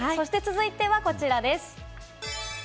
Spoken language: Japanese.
そして続いてはこちらです。